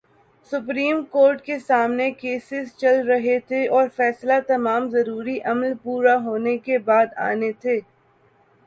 Supreme Court کے سامنے cases چل رہے تھے اور فیصلے تمام ضروری عمل پورا ہونے کے بعد آنے تھے۔